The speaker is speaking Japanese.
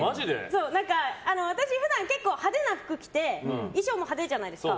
私、普段派手な服着て衣装も派手じゃないですか。